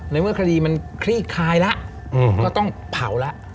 ในเมื่อคดีมันคลี่คลายแล้วก็ต้องเผาแล้ว